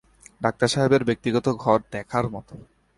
Doctor সাহেবের ব্যক্তিগত ঘর দেখার মতো।